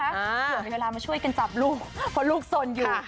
เผื่อมีเวลามาช่วยกันจับลูกเพราะลูกสนอยู่